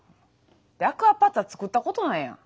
でアクアパッツァ作ったことないやん。